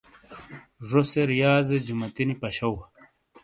زو سے ریاضے جوماتی نی پشو